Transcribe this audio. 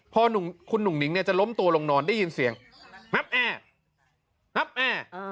พอคุณหนุ่งหนิงเนี่ยจะล้มตัวลงนอนได้ยินเสียงนับแอร์นับแอ